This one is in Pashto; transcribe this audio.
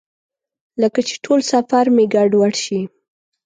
لکه چې ټول سفر مې ګډوډ شي.